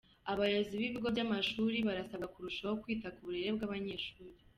Abayobozi b’ibigo by’amashuri barasabwa kurushaho kwita ku burere bw’abanyeshuri